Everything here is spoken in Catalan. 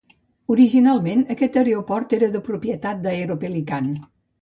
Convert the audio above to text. Originalment, aquest aeroport era propietat d'Aeropelican.